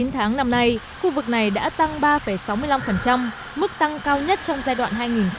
chín tháng năm nay khu vực này đã tăng ba sáu mươi năm mức tăng cao nhất trong giai đoạn hai nghìn một mươi sáu hai nghìn hai mươi